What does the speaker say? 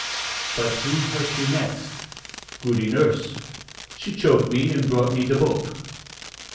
"But who hurt you next?" "Goody Nurse. She choke me and brought me de book."